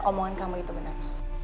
omongan kamu itu bener